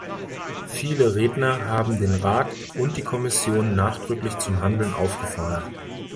Viele Redner haben den Rat und die Kommission nachdrücklich zum Handeln aufgefordert.